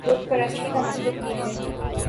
بت پرستی کا مطلب یہ ہے